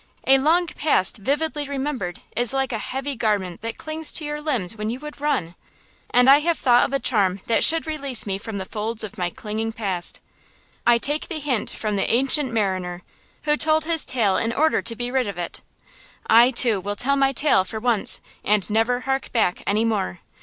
A long past vividly remembered is like a heavy garment that clings to your limbs when you would run. And I have thought of a charm that should release me from the folds of my clinging past. I take the hint from the Ancient Mariner, who told his tale in order to be rid of it. I, too, will tell my tale, for once, and never hark back any more.